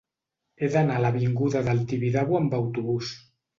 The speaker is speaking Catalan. He d'anar a l'avinguda del Tibidabo amb autobús.